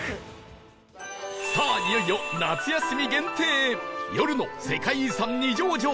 さあいよいよ夏休み限定夜の世界遺産二条城